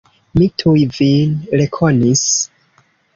Mi tuj vin rekonis.